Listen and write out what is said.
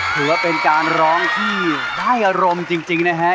คอยเธอกลับมา